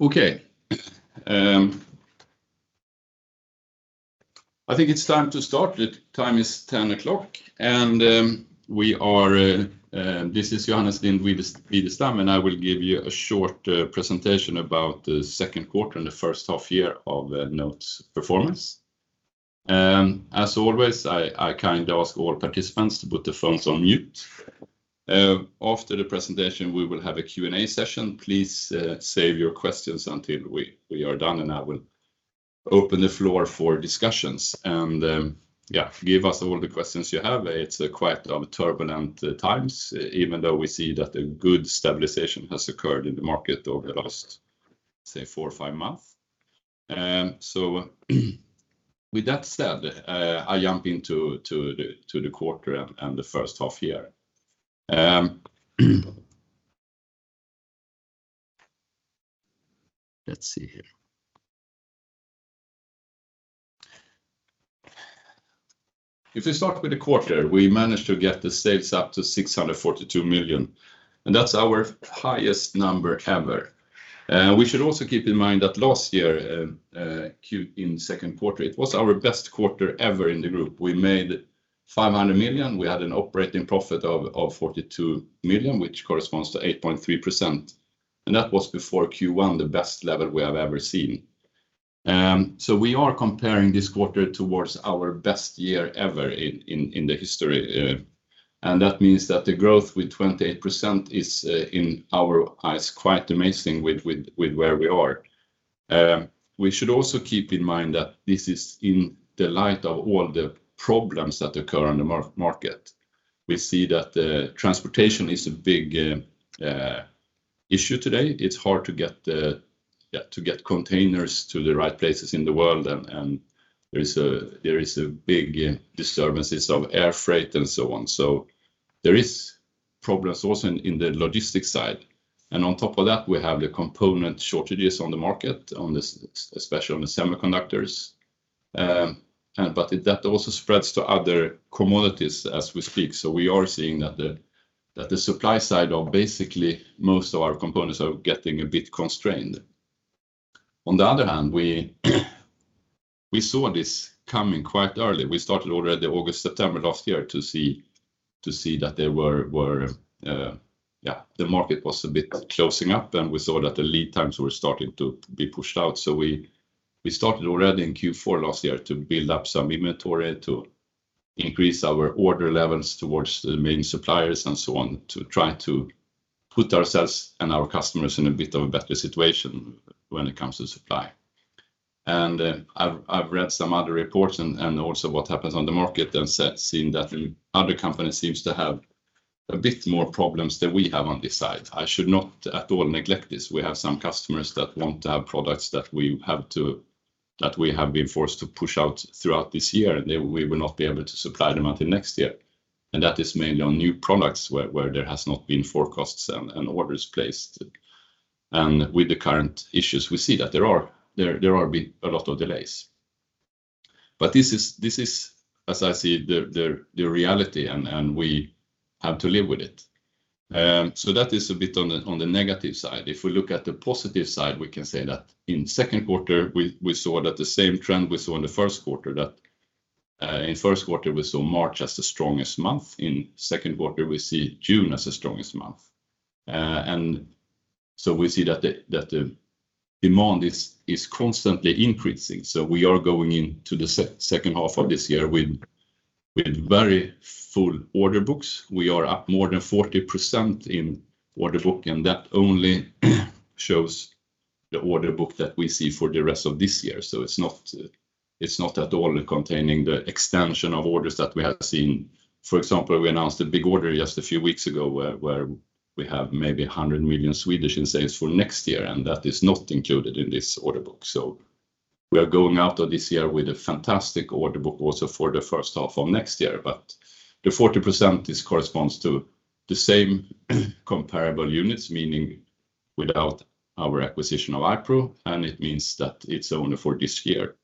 Okay. I think it's time to start. The time is 10:00 AM. This is Johannes Lind-Widestam, and I will give you a short presentation about the second quarter and the first half year of NOTE's performance. As always, I kindly ask all participants to put their phones on mute. After the presentation, we will have a Q&A session. Please save your questions until we are done. I will open the floor for discussions. Give us all the questions you have. It's quite turbulent times, even though we see that a good stabilization has occurred in the market over the last, say, four or five months. With that said, I jump into the quarter and the first half year. Let's see here. If we start with the quarter, we managed to get the sales up to 642 million. That's our highest number ever. We should also keep in mind that last year, in the second quarter, it was our best quarter ever in the group. We made 500 million. We had an operating profit of 42 million, which corresponds to 8.3%, and that was before Q1, the best level we have ever seen. We are comparing this quarter towards our best year ever in the history. That means that the growth with 28% is, in our eyes, quite amazing with where we are. We should also keep in mind that this is in the light of all the problems that occur on the market. We see that transportation is a big issue today. It's hard to get containers to the right places in the world, and there is a big disturbances of air freight and so on. There is problems also in the logistics side. On top of that, we have the component shortages on the market, especially on the semiconductors. That also spreads to other commodities as we speak. We are seeing that the supply side of basically most of our components are getting a bit constrained. On the other hand, we saw this coming quite early. We started already August, September last year to see that the market was a bit closing up, and we saw that the lead times were starting to be pushed out. We started already in Q4 last year to build up some inventory, to increase our order levels towards the main suppliers and so on to try to put ourselves and our customers in a bit of a better situation when it comes to supply. I've read some other reports and also what happens on the market and seen that other companies seems to have a bit more problems than we have on this side. I should not at all neglect this. We have some customers that want to have products that we have been forced to push out throughout this year, and we will not be able to supply them until next year. That is mainly on new products where there has not been forecasts and orders placed. With the current issues, we see that there are a lot of delays. This is, as I see, the reality, and we have to live with it. That is a bit on the negative side. If we look at the positive side, we can say that in the second quarter, we saw that the same trend we saw in the first quarter, that in the first quarter, we saw March as the strongest month. In the second quarter, we see June as the strongest month. We see that the demand is constantly increasing. We are going into the second half of this year with very full order books. We are up more than 40% in order book, and that only shows the order book that we see for the rest of this year. It's not at all containing the extension of orders that we have seen. For example, we announced a big order just a few weeks ago where we have maybe 100 million in sales for next year, and that is not included in this order book. We are going out of this year with a fantastic order book also for the first half of next year. The 40% corresponds to the same comparable units, meaning without our acquisition of iPRO, and it means that it's only for this year.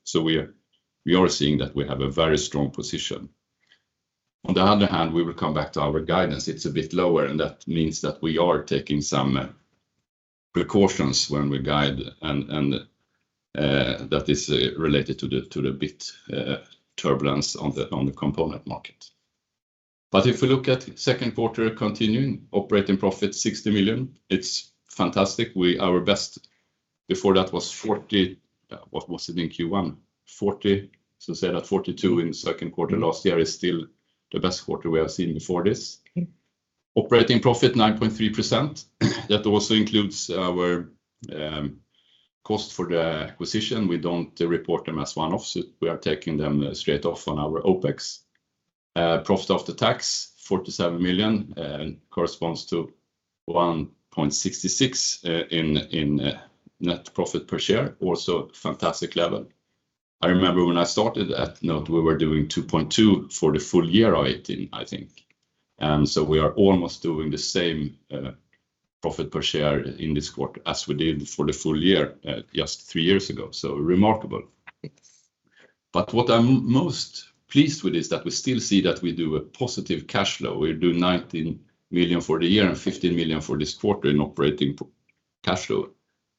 We are seeing that we have a very strong position. On the other hand, we will come back to our guidance. It's a bit lower, and that means that we are taking some precautions when we guide, and that is related to the bit turbulence on the component market. If we look at the second quarter continuing, operating profit 60 million, it's fantastic. Our best before that was 40 million. What was it in Q1? 40 million. Say that 42 million in the second quarter last year is still the best quarter we have seen before this. Operating profit 9.3%. That also includes our cost for the acquisition. We don't report them as one-off, so we are taking them straight off on our OpEx. Profit after tax, 47 million, corresponds to 1.66 million in net profit per share. Also fantastic level. I remember when I started at NOTE, we were doing 2.2 million for the full year of 2018, I think. We are almost doing the same profit per share in this quarter as we did for the full year just three years ago. Remarkable. What I'm most pleased with is that we still see that we do a positive cash flow. We do 19 million for the year and 15 million for this quarter in operating cash flow.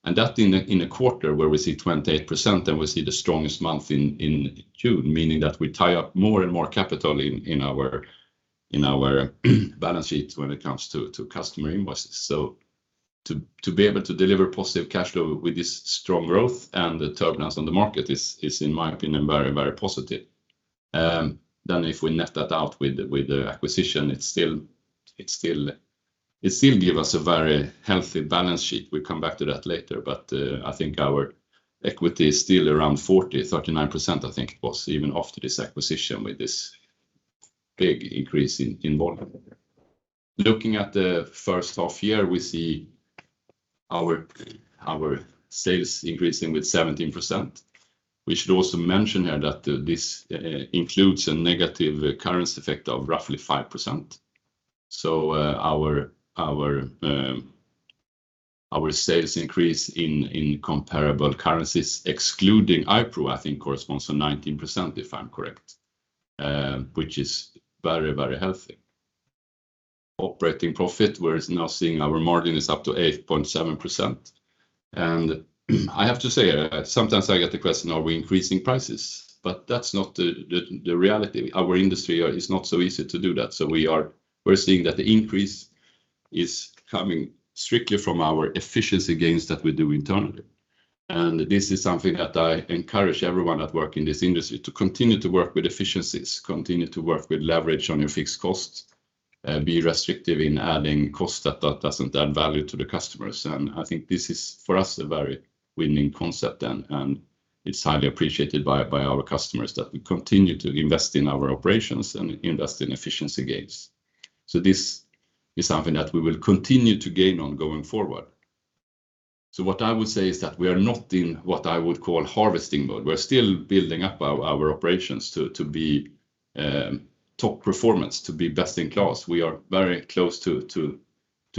That in a quarter where we see 28% and we see the strongest month in Q, meaning that we tie up more and more capital in our balance sheet when it comes to customer invoices. To be able to deliver positive cash flow with this strong growth and the turbulence on the market is, in my opinion, very positive. If we net that out with the acquisition, it still gives us a very healthy balance sheet. We'll come back to that later. I think our equity is still around 39%, I think it was, even after this acquisition with this big increase in volume. Looking at the first half year, we see our sales increasing with 17%. We should also mention there that this includes a negative currency effect of roughly 5%. Our sales increase in comparable currencies excluding iPRO, I think corresponds to 19%, if I'm correct, which is very healthy. Operating profit, we're now seeing our margin is up to 8.7%. I have to say, sometimes I get the question, are we increasing prices? That's not the reality. Our industry is not so easy to do that. We're seeing that the increase is coming strictly from our efficiency gains that we do internally. This is something that I encourage everyone that work in this industry to continue to work with efficiencies, continue to work with leverage on your fixed costs, be restrictive in adding cost that doesn't add value to the customers. I think this is, for us, a very winning concept, and it's highly appreciated by our customers that we continue to invest in our operations and invest in efficiency gains. This is something that we will continue to gain on going forward. What I would say is that we are not in what I would call harvesting mode. We're still building up our operations to be top performance, to be best in class. We are very close to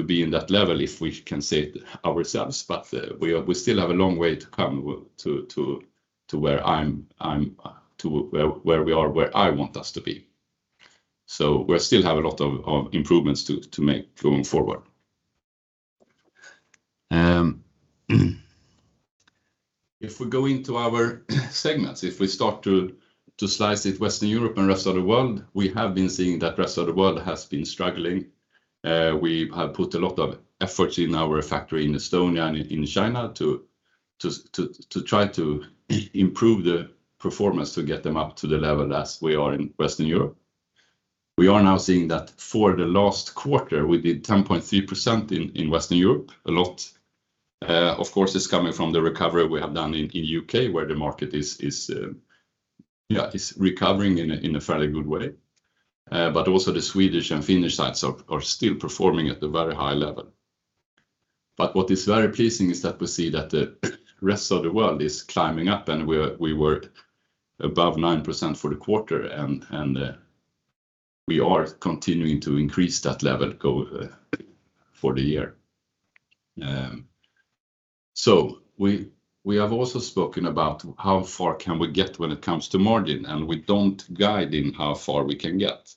be in that level, if we can say it ourselves, but we still have a long way to come to where I want us to be. We still have a lot of improvements to make going forward. If we go into our segments, if we start to slice it Western Europe and rest of the world, we have been seeing that rest of the world has been struggling. We have put a lot of effort in our factory in Estonia and in China to try to improve the performance to get them up to the level as we are in Western Europe. We are now seeing that for the last quarter, we did 10.3% in Western Europe. A lot, of course, is coming from the recovery we have done in U.K., where the market is recovering in a fairly good way. Also the Swedish and Finnish sites are still performing at a very high level. What is very pleasing is that we see that the rest of the world is climbing up, and we were above 9% for the quarter, and we are continuing to increase that level for the year. We have also spoken about how far can we get when it comes to margin, and we don't guide in how far we can get.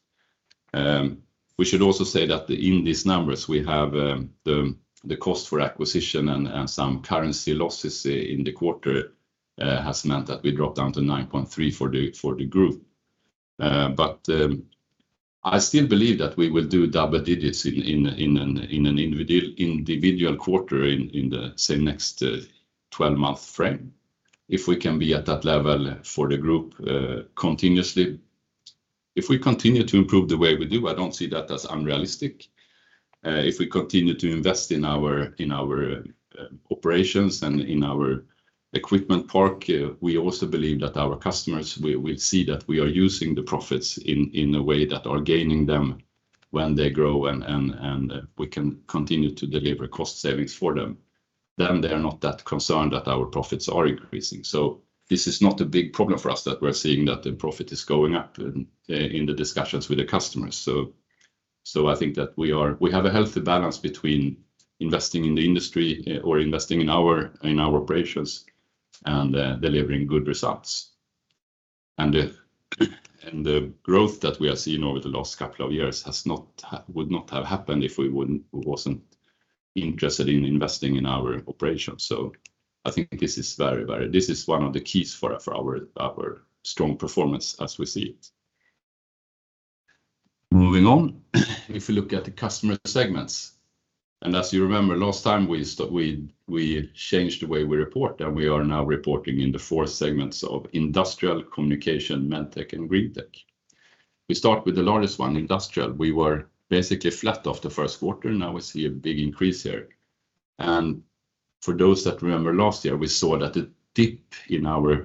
We should also say that in these numbers, we have the cost for acquisition and some currency losses in the quarter has meant that we drop down to 9.3% for the group. I still believe that we will do double digits in an individual quarter in the, say, next 12-month frame. If we can be at that level for the group continuously, if we continue to improve the way we do, I don't see that as unrealistic. If we continue to invest in our operations and in our equipment park, we also believe that our customers will see that we are using the profits in a way that are gaining them when they grow and we can continue to deliver cost savings for them. They are not that concerned that our profits are increasing. This is not a big problem for us that we're seeing that the profit is going up in the discussions with the customers. I think that we have a healthy balance between investing in the industry or investing in our operations and delivering good results. The growth that we are seeing over the last couple of years would not have happened if we wasn't interested in investing in our operations. I think this is one of the keys for our strong performance as we see it. Moving on, if you look at the customer segments, as you remember, last time we changed the way we report, we are now reporting in the four segments of Industrial, Communication, MedTech, and GreenTech. We start with the largest one, Industrial. We were basically flat off the first quarter. We see a big increase here. For those that remember last year, we saw that the dip in our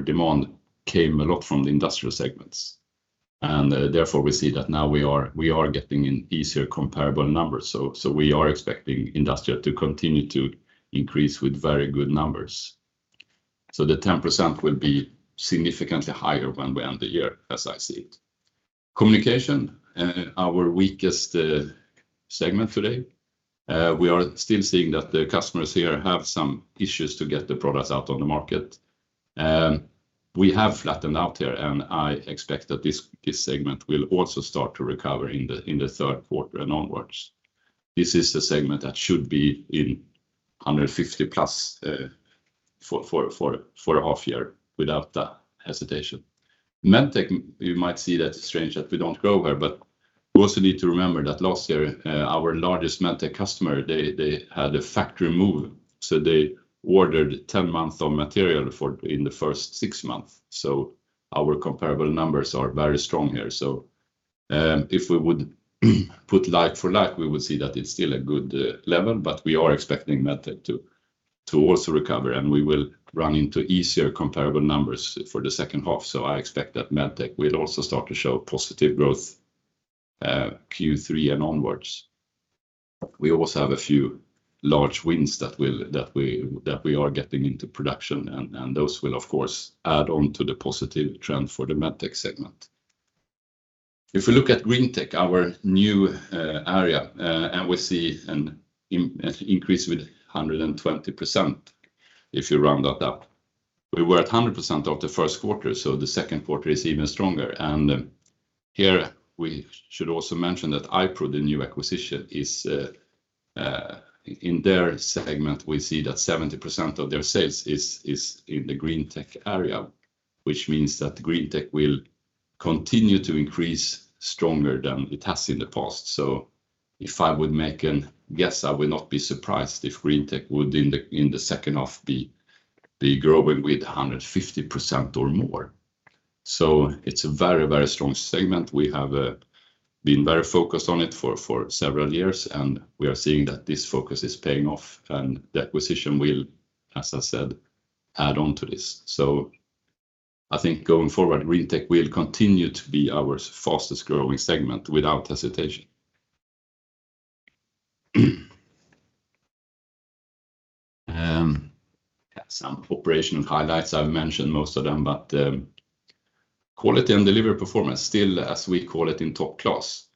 demand came a lot from the Industrial segments. Therefore, we see that now we are getting an easier comparable number. We are expecting Industrial to continue to increase with very good numbers. The 10% will be significantly higher when we end the year, as I see it. Communication, our weakest segment today. We are still seeing that the customers here have some issues to get the products out on the market. We have flattened out here, and I expect that this segment will also start to recover in the third quarter and onwards. This is the segment that should be in 150-plus for a half year, without hesitation. MedTech, you might see that it's strange that we don't grow here, but we also need to remember that last year, our largest MedTech customer, they had a factory move, so they ordered 10 months of material in the first six months. Our comparable numbers are very strong here. If we would put like for like, we would see that it's still a good level, but we are expecting MedTech to also recover, and we will run into easier comparable numbers for the second half. I expect that MedTech will also start to show positive growth Q3 and onwards. We also have a few large wins that we are getting into production, those will, of course, add on to the positive trend for the MedTech segment. If we look at GreenTech, our new area, we see an increase with 120%, if you round that up. We were at 100% of the first quarter, the second quarter is even stronger. Here we should also mention that iPRO, the new acquisition, in their segment, we see that 70% of their sales is in the GreenTech area, which means that GreenTech will continue to increase stronger than it has in the past. If I would make a guess, I would not be surprised if GreenTech would, in the second half, be growing with 150% or more. It's a very strong segment. We have been very focused on it for several years, and we are seeing that this focus is paying off and the acquisition will, as I said, add on to this. I think going forward, GreenTech will continue to be our fastest-growing segment without hesitation. Some operational highlights, I've mentioned most of them, but quality and delivery performance still, as we call it, in top class.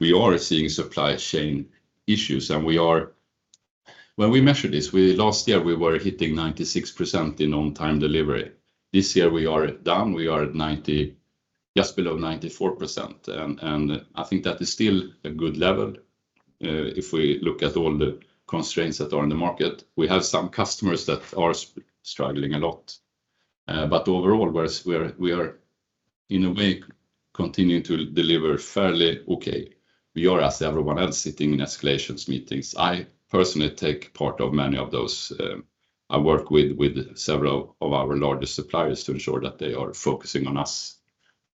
We are seeing supply chain issues, and when we measured this, last year, we were hitting 96% in on-time delivery. This year, we are down. We are at just below 94%, and I think that is still a good level if we look at all the constraints that are in the market. We have some customers that are struggling a lot. Overall, we are, in a way, continuing to deliver fairly okay. We are, as everyone else, sitting in escalations meetings. I personally take part of many of those. I work with several of our largest suppliers to ensure that they are focusing on us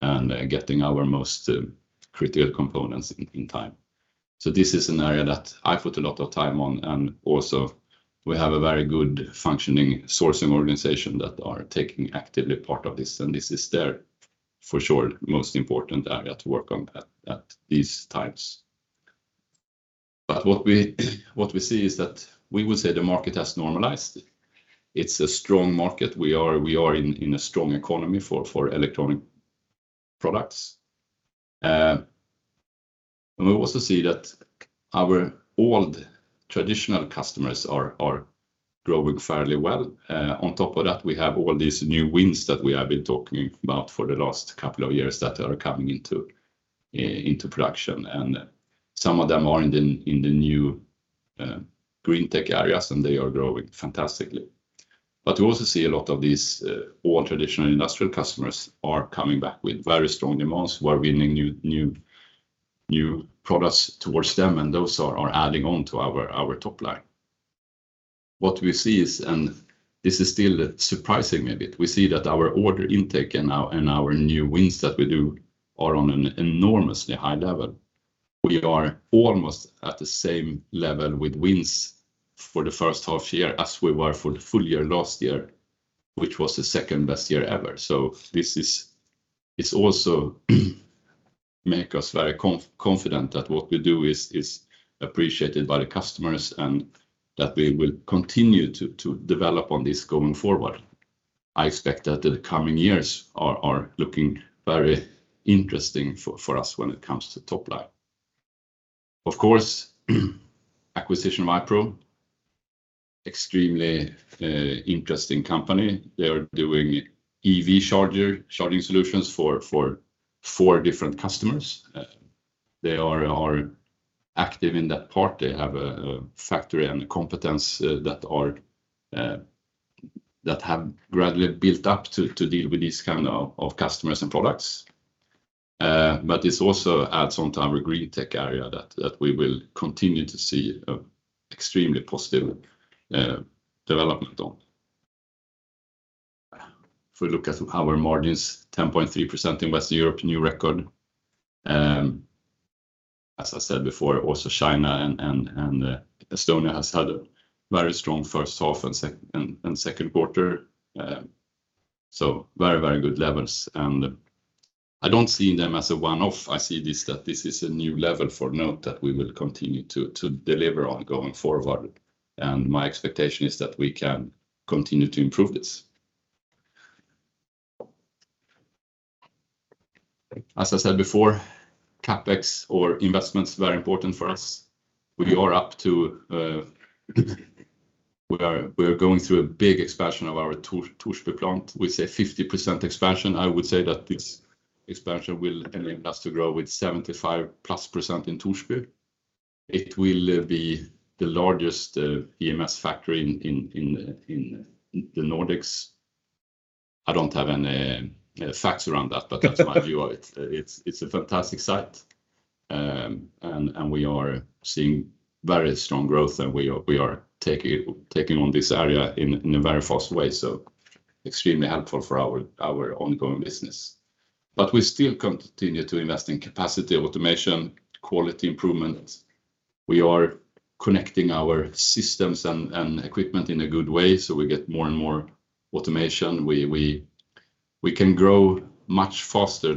and getting our most critical components in time. This is an area that I put a lot of time on, and also we have a very good functioning sourcing organization that are taking actively part of this, and this is their, for sure, most important area to work on at these times. What we see is that we would say the market has normalized. It's a strong market. We are in a strong economy for electronic products. We also see that our old traditional customers are growing fairly well. On top of that, we have all these new wins that we have been talking about for the last couple of years that are coming into production, and some of them are in the new GreenTech areas, and they are growing fantastically. We also see a lot of these old traditional industrial customers are coming back with very strong demands. We're winning new products towards them, and those are adding on to our top line. What we see is, and this is still surprising me a bit, we see that our order intake and our new wins that we do are on an enormously high level. We are almost at the same level with wins for the first half year as we were for the full year last year, which was the second-best year ever. This also make us very confident that what we do is appreciated by the customers, and that we will continue to develop on this going forward. I expect that the coming years are looking very interesting for us when it comes to top line. Of course, acquisition of iPRO, extremely interesting company. They are doing EV charging solutions for four different customers. They are active in that part. They have a factory and competence that have gradually built up to deal with these kind of customers and products. This also adds on to our GreenTech area that we will continue to see extremely positive development on. If we look at our margins, 10.3% in West Europe, new record. As I said before, also China and Estonia has had a very strong first half and second quarter. Very good levels, and I don't see them as a one-off. I see that this is a new level for NOTE that we will continue to deliver on going forward. My expectation is that we can continue to improve this. As I said before, CapEx or investment is very important for us. We are going through a big expansion of our Torsby plant. We say 50% expansion. I would say that this expansion will enable us to grow with 75%+ in Torsby. It will be the largest EMS factory in the Nordics. I don't have any facts around that, but that's my view. It's a fantastic site, and we are seeing very strong growth, and we are taking on this area in a very fast way, so extremely helpful for our ongoing business. We still continue to invest in capacity, automation, quality improvement. We are connecting our systems and equipment in a good way, so we get more and more automation. We can grow much faster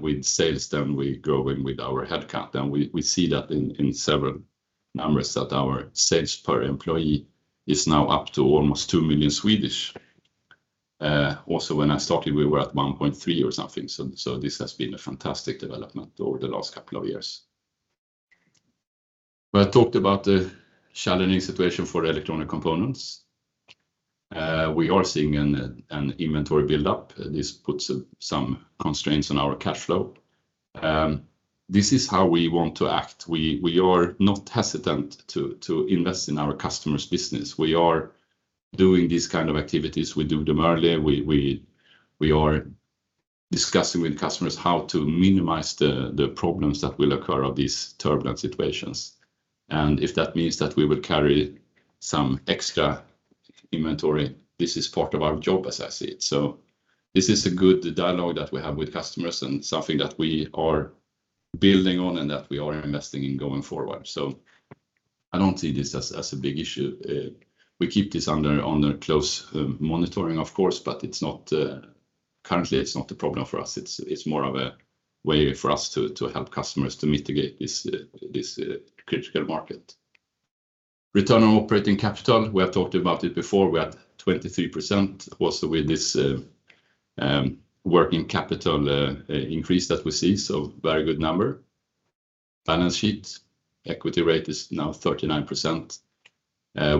with sales than we grow with our headcount. We see that in several numbers that our sales per employee is now up to almost 2 million. Also, when I started, we were at 1.3 million or something, so this has been a fantastic development over the last couple of years. I talked about the challenging situation for electronic components. We are seeing an inventory build-up. This puts some constraints on our cash flow. This is how we want to act. We are not hesitant to invest in our customers' business. We are doing these kinds of activities. We do them early. We are discussing with customers how to minimize the problems that will occur of these turbulent situations. If that means that we will carry some extra inventory, this is part of our job as I see it. This is a good dialogue that we have with customers and something that we are building on and that we are investing in going forward. I don't see this as a big issue. We keep this under close monitoring, of course, but currently, it's not a problem for us. It's more of a way for us to help customers to mitigate this critical market. Return on operating capital, we have talked about it before. We're at 23%, also with this working capital increase that we see, so very good number. Balance sheet, equity rate is now 39%,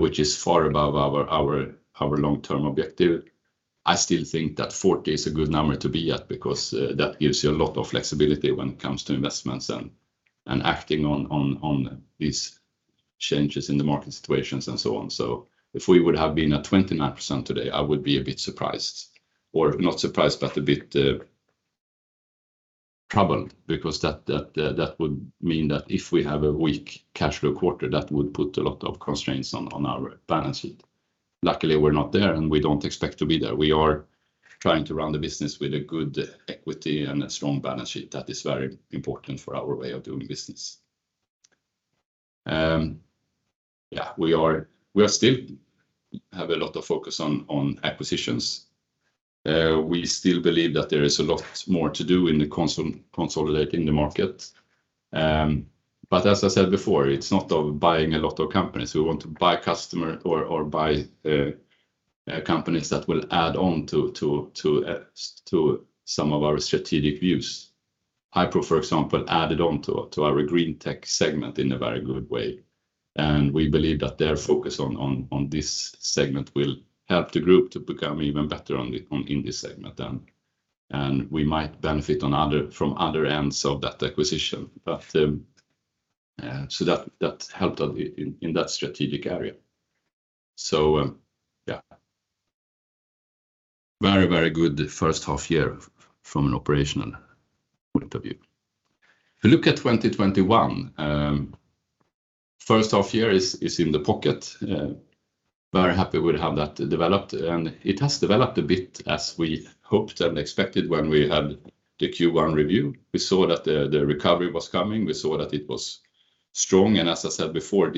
which is far above our long-term objective. I still think that 40% is a good number to be at because that gives you a lot of flexibility when it comes to investments and acting on these changes in the market situations and so on. If we would have been at 29% today, I would be a bit surprised, or not surprised, but a bit troubled because that would mean that if we have a weak cash flow quarter, that would put a lot of constraints on our balance sheet. Luckily, we're not there, and we don't expect to be there. We are trying to run the business with a good equity and a strong balance sheet. That is very important for our way of doing business. We still have a lot of focus on acquisitions. We still believe that there is a lot more to do in consolidating the market. As I said before, it's not buying a lot of companies. We want to buy customer or buy companies that will add on to some of our strategic views. iPRO, for example, added on to our GreenTech segment in a very good way, and we believe that their focus on this segment will help the group to become even better in this segment. We might benefit from other ends of that acquisition. That helped us in that strategic area. Very good first half year from an operational point of view. If you look at 2021, first half year is in the pocket. Very happy with how that developed. It has developed a bit as we hoped and expected when we had the Q1 review. We saw that the recovery was coming. We saw that it was strong. As I said before,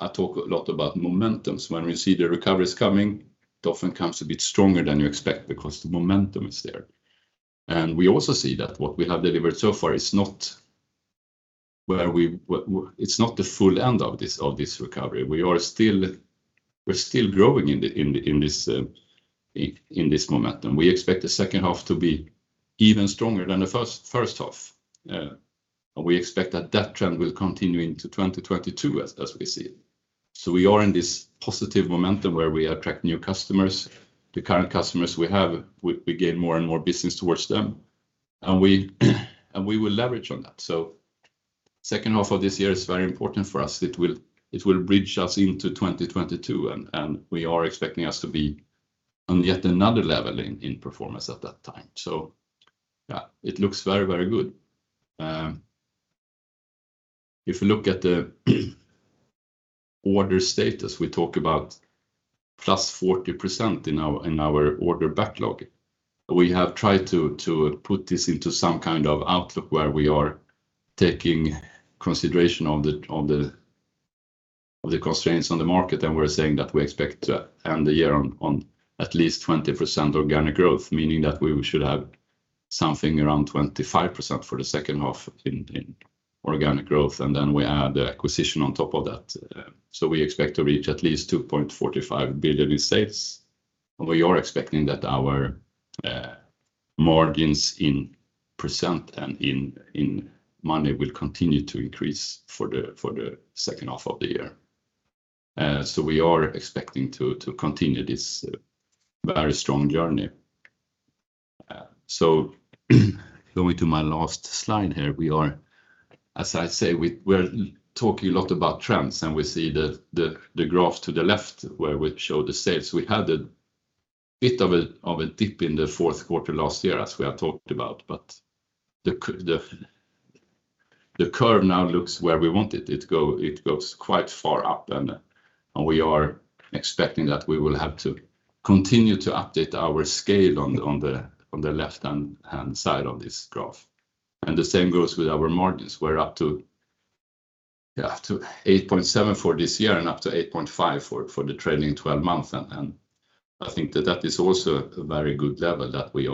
I talk a lot about momentum. When you see the recovery is coming, it often comes a bit stronger than you expect because the momentum is there. We also see that what we have delivered so far it's not the full end of this recovery. We're still growing in this momentum. We expect the second half to be even stronger than the first half. We expect that trend will continue into 2022 as we see it. We are in this positive momentum where we attract new customers, the current customers we have, we gain more and more business towards them, and we will leverage on that. Second half of this year is very important for us. It will bridge us into 2022, and we are expecting us to be on yet another level in performance at that time. Yeah, it looks very good. If you look at the order status, we talk about +40% in our order backlog. We have tried to put this into some kind of outlook where we are taking consideration on the constraints on the market. We're saying that we expect to end the year on at least 20% organic growth, meaning that we should have something around 25% for the second half in organic growth. Then we add the acquisition on top of that. We expect to reach at least 2.45 billion in sales. We are expecting that our margins in % and in money will continue to increase for the second half of the year. We are expecting to continue this very strong journey. Going to my last slide here. As I say, we're talking a lot about trends. We see the graph to the left where we show the sales. We had a bit of a dip in the fourth quarter last year, as we have talked about. The curve now looks where we want it. It goes quite far up. We are expecting that we will have to continue to update our scale on the left-hand side of this graph. The same goes with our margins. We're up to 8.7% for this year and up to 8.5% for the trailing 12 months. I think that that is also a very good level that we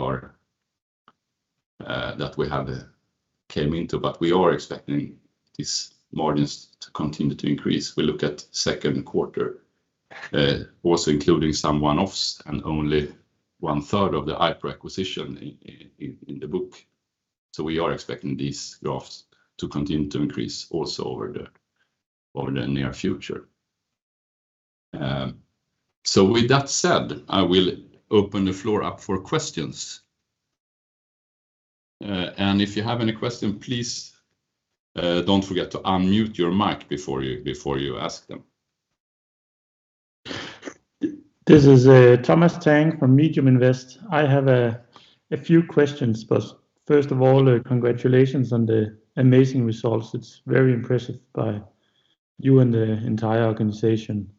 have came into. We are expecting these margins to continue to increase. We look at second quarter, also including some one-offs and only 1/3 of the iPRO acquisition in the book. We are expecting these graphs to continue to increase also over the near future. With that said, I will open the floor up for questions. If you have any question, please don't forget to unmute your mic before you ask them. This is Thomas Tang from MediumInvest. I have a few questions. First of all, congratulations on the amazing results. It's very impressive by you and the entire organization.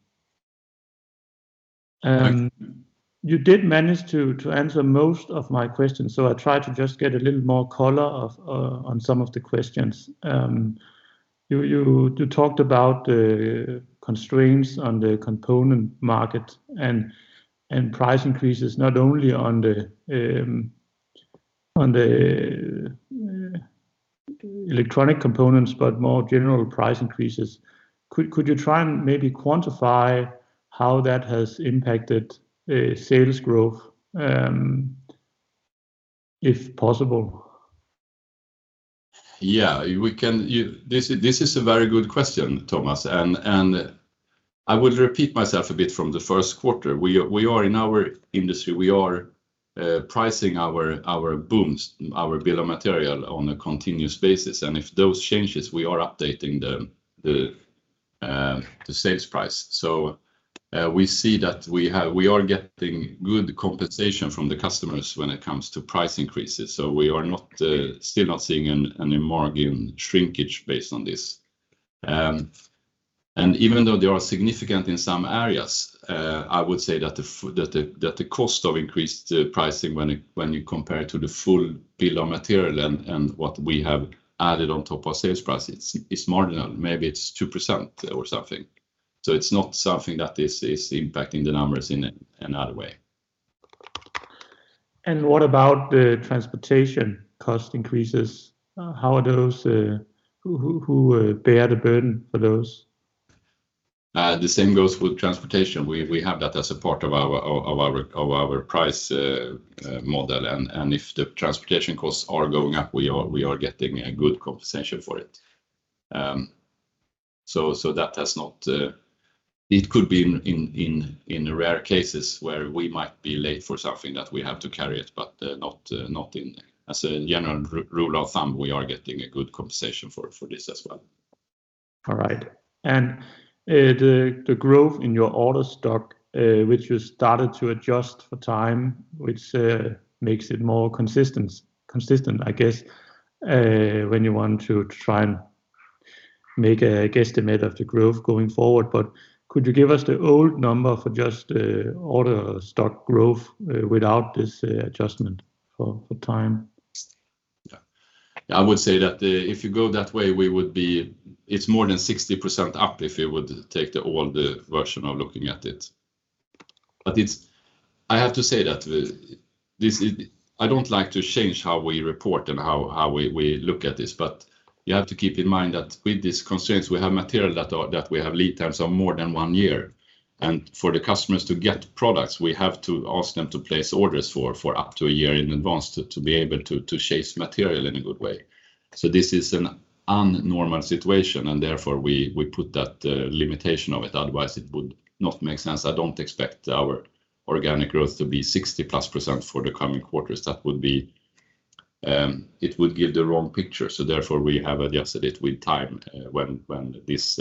Thank you. You did manage to answer most of my questions. I try to just get a little more color on some of the questions. You talked about the constraints on the component market and price increases not only on the electronic components, but more general price increases. Could you try and maybe quantify how that has impacted sales growth if possible? This is a very good question, Thomas, I will repeat myself a bit from the first quarter. In our industry, we are pricing our BOMs, our bill of material on a continuous basis. If those changes, we are updating the sales price. We see that we are getting good compensation from the customers when it comes to price increases, we are still not seeing any margin shrinkage based on this. Even though they are significant in some areas, I would say that the cost of increased pricing, when you compare it to the full bill of material and what we have added on top of sales price, it's marginal. Maybe it's 2% or something. It's not something that is impacting the numbers in a other way. What about the transportation cost increases? Who bear the burden for those? The same goes for transportation. We have that as a part of our price model. If the transportation costs are going up, we are getting a good compensation for it. It could be in rare cases where we might be late for something that we have to carry it, as a general rule of thumb, we are getting a good compensation for this as well. All right. The growth in your order stock, which you started to adjust for time, which makes it more consistent, I guess, when you want to try and make a guesstimate of the growth going forward. Could you give us the old number for just the order stock growth without this adjustment for time? I would say that if you go that way, it's more than 60% up if you would take the older version of looking at it. I have to say that I don't like to change how we report and how we look at this, but you have to keep in mind that with these constraints, we have material that we have lead times of more than one year. For the customers to get products, we have to ask them to place orders for up to a year in advance to be able to chase material in a good way. This is an un-normal situation, and therefore, we put that limitation of it. Otherwise, it would not make sense. I don't expect our organic growth to be 60%+ for the coming quarters. It would give the wrong picture. Therefore, we have adjusted it with time when these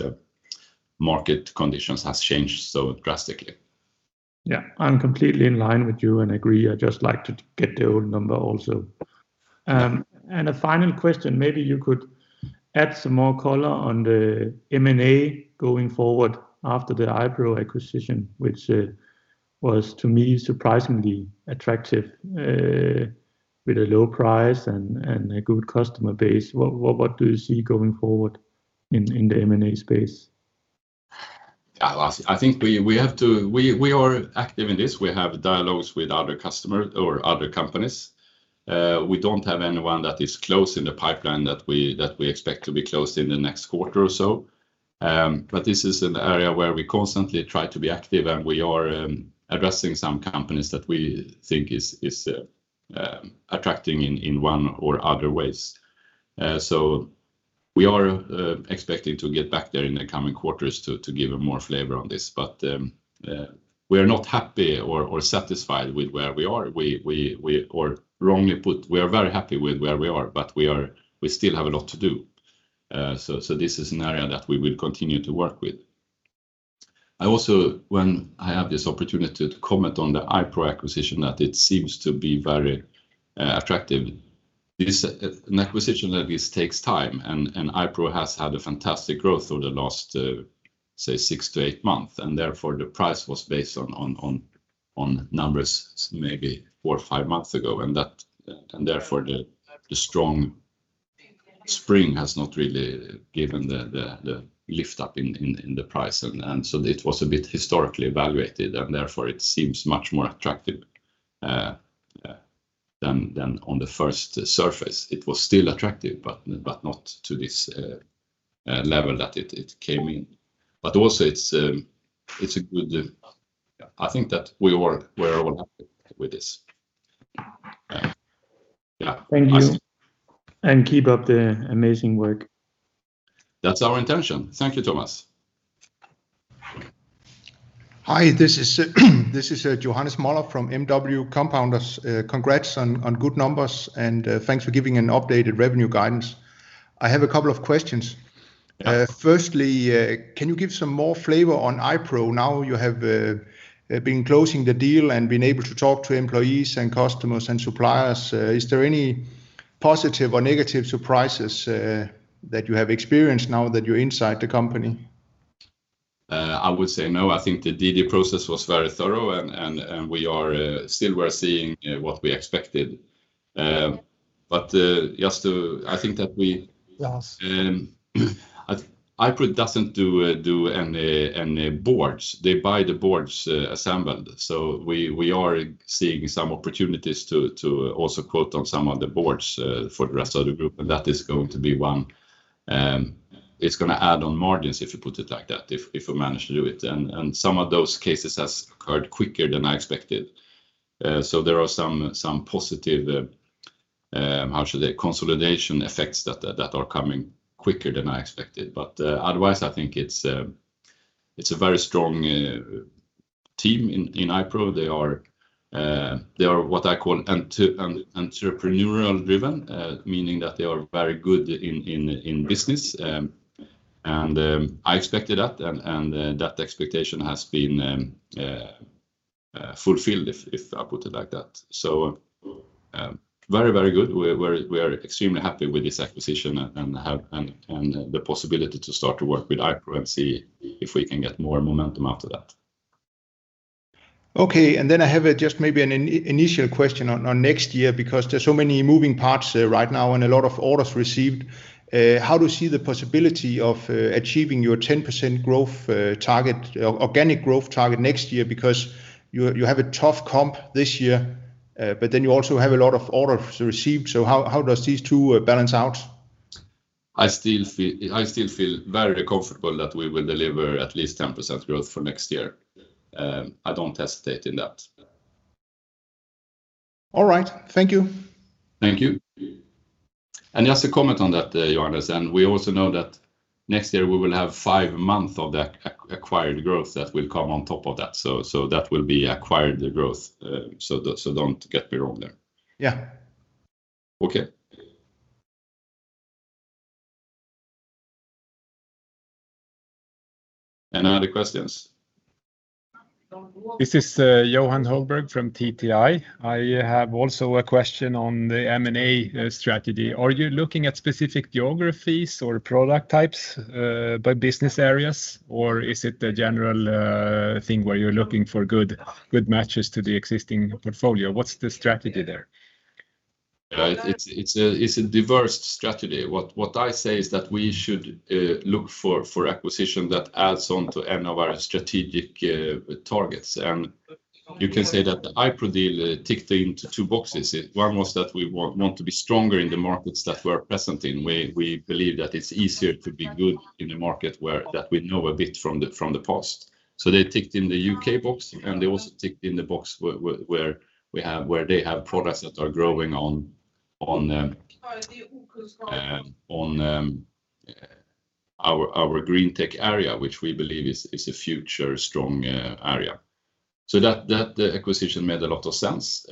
market conditions has changed so drastically. Yeah. I'm completely in line with you and agree. I just like to get the old number also. A final question. Maybe you could add some more color on the M&A going forward after the iPRO acquisition, which was, to me, surprisingly attractive with a low price and a good customer base, what do you see going forward in the M&A space? I think we are active in this. We have dialogues with other customers or other companies. We don't have anyone that is close in the pipeline that we expect to be closed in the next quarter or so. This is an area where we constantly try to be active, and we are addressing some companies that we think is attractive in one or other ways. We are expecting to get back there in the coming quarters to give a more flavor on this. We are not happy or satisfied with where we are. Wrongly put, we are very happy with where we are, but we still have a lot to do. This is an area that we will continue to work with. I also, when I have this opportunity to comment on the iPRO acquisition, that it seems to be very attractive. It is an acquisition that at least takes time, and iPRO has had a fantastic growth over the last, say, six to eight months, and therefore the price was based on numbers maybe four or five months ago, and therefore the strong spring has not really given the lift up in the price. It was a bit historically evaluated, and therefore it seems much more attractive than on the first surface. It was still attractive, but not to this level that it came in. It's I think that we are well happy with this. Yeah. Thank you. Yes. Keep up the amazing work. That's our intention. Thank you, Thomas. Hi, this is Johannes Møller from MW Compounders. Congrats on good numbers and thanks for giving an updated revenue guidance. I have a couple of questions. Yeah. Can you give some more flavor on iPRO now you have been closing the deal and been able to talk to employees and customers and suppliers? Is there any positive or negative surprises that you have experienced now that you're inside the company? I would say no. I think the DD process was very thorough, and we're still seeing what we expected. Yes. iPRO doesn't do any boards. They buy the boards assembled. We are seeing some opportunities to also quote on some of the boards for the rest of the group, and that is going to be one. It's going to add on margins, if you put it like that, if we manage to do it. Some of those cases has occurred quicker than I expected. There are some positive, how should I, consolidation effects that are coming quicker than I expected. Otherwise, I think it's a very strong team in iPRO. They are what I call entrepreneurial-driven, meaning that they are very good in business. I expected that, and that expectation has been fulfilled, if I put it like that. Very good. We are extremely happy with this acquisition and the possibility to start to work with iPRO and see if we can get more momentum after that. I have just maybe an initial question on next year, because there's so many moving parts right now and a lot of orders received. How do you see the possibility of achieving your 10% organic growth target next year? You have a tough comp this year, you also have a lot of orders received. How does these two balance out? I still feel very comfortable that we will deliver at least 10% growth for next year. I don't hesitate in that. All right. Thank you. Thank you. Just to comment on that, Johannes, and we also know that next year we will have five months of the acquired growth that will come on top of that. That will be acquired growth. Don't get me wrong there. Yeah. Okay. Any other questions? This is Johan Holberg from TTI. I have also a question on the M&A strategy. Are you looking at specific geographies or product types by business areas, or is it a general thing where you're looking for good matches to the existing portfolio? What's the strategy there? It's a diverse strategy. What I say is that we should look for acquisition that adds on to any of our strategic targets. You can say that the iPRO deal ticked into two boxes. One was that we want to be stronger in the markets that we're present in. We believe that it's easier to be good in a market that we know a bit from the past. They ticked in the U.K. box, and they also ticked in the box where they have products that are growing on our GreenTech area, which we believe is a future strong area. That acquisition made a lot of sense.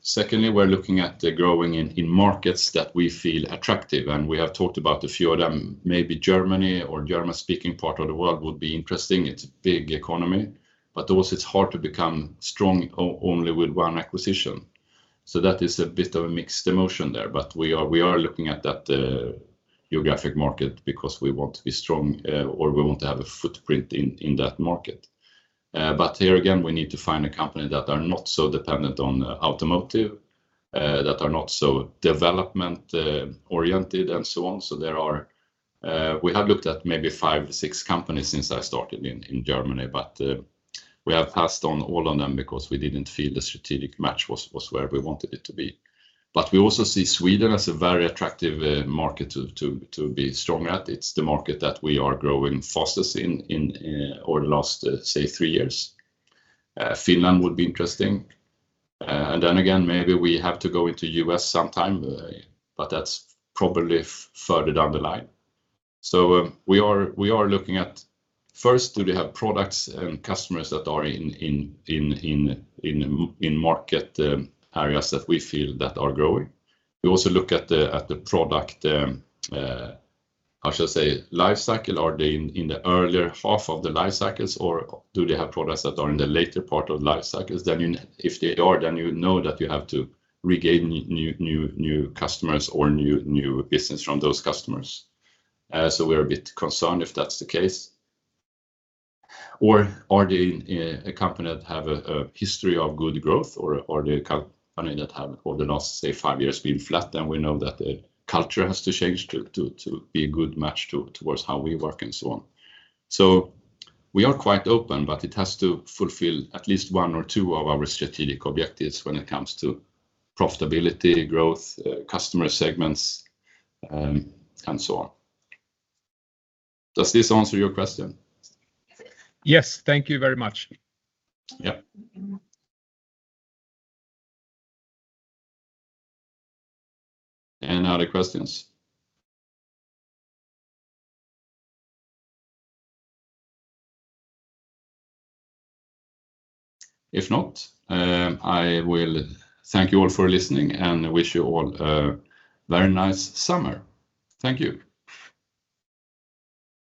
Secondly, we're looking at growing in markets that we feel attractive, and we have talked about a few of them. Maybe Germany or German-speaking part of the world would be interesting. It's a big economy. Also, it's hard to become strong only with one acquisition. That is a bit of a mixed emotion there. We are looking at that geographic market because we want to be strong or we want to have a footprint in that market. Here again, we need to find a company that is not so dependent on automotive, that is not so development-oriented, and so on. We have looked at maybe five to six companies since I started in Germany, but we have passed on all of them because we didn't feel the strategic match was where we wanted it to be. We also see Sweden as a very attractive market to be strong at. It's the market that we are growing fastest in over the last, say, three years. Finland would be interesting. Maybe we have to go into the U.S. sometime, that's probably further down the line. We are looking at first, do they have products and customers that are in market areas that we feel that are growing? We also look at the product, how shall I say, life cycle. Are they in the earlier half of the life cycles, or do they have products that are in the later part of life cycles? If they are, then you know that you have to regain new customers or new business from those customers. We're a bit concerned if that's the case. Are they a company that has a history of good growth or a company that has, over the last, say, five years, been flat? We know that the culture has to change to be a good match towards how we work and so on. We are quite open, but it has to fulfill at least one or two of our strategic objectives when it comes to profitability, growth, customer segments, and so on. Does this answer your question? Yes. Thank you very much. Yeah. Any other questions? If not, I will thank you all for listening and wish you all a very nice summer. Thank you.